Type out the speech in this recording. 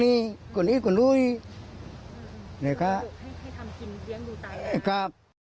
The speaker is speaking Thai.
ให้ทำกินเลี้ยงดูตายแล้วนะครับ